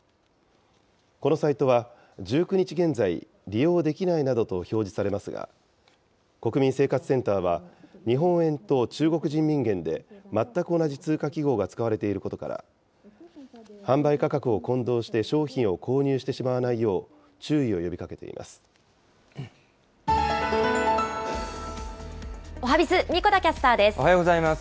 このサイトは、１９日現在、利用できないなどと表示されますが、国民生活センターは、日本円と中国人民元で、全く同じ通貨記号が使われていることから、販売価格を混同して商品を購入してしまわないよう、注意を呼びかおはＢｉｚ、神子田キャスタおはようございます。